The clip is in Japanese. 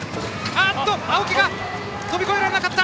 青木が飛び越えられなかった！